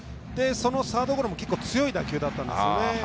このサードゴロも結構強い打球だったんですよね